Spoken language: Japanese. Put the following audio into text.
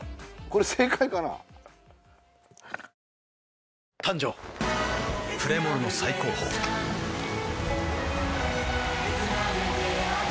これ正解かな誕生プレモルの最高峰プシュッ！